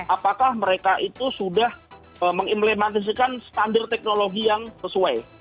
apakah mereka itu sudah mengimplementasikan standar teknologi yang sesuai